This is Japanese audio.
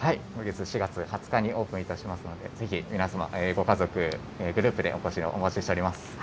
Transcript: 今月４月２０日にオープンいたしますので、ぜひ皆様、ご家族、グループでお越しをお待ちしております。